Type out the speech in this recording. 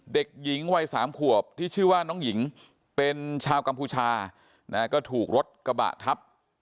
เด็กหญิงวัย๓ขวบที่ชื่อว่าน้องหญิงเป็นชาวกัมพูชาก็ถูกรถกระบะทับ